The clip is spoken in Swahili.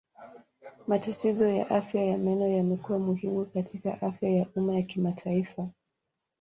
Matatizo ya afya ya meno yamekuwa muhimu katika afya ya umma ya kimataifa.